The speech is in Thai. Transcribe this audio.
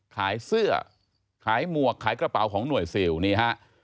ขายเสื้อขายหมวกขายกระเป๋าของหน่วยซิลนี่ฮะ